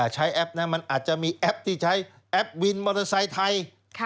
แอปนะมันอาจจะมีแอปที่ใช้แอปวินมอเตอร์ไซค์ไทย